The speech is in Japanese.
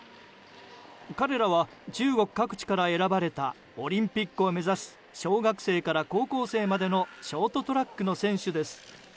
彼らは中国各地から選ばれたオリンピックを目指す小学生から高校生までのショートトラックの選手です。